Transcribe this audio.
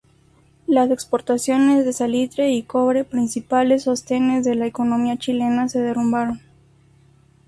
Las exportaciones de salitre y cobre, principales sostenes de la economía chilena, se derrumbaron.